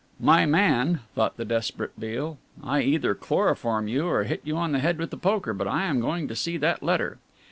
"My man," thought the desperate Beale, "I either chloroform you or hit you on the head with the poker, but I am going to see that letter."